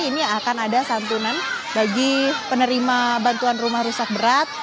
ini akan ada santunan bagi penerima bantuan rumah rusak berat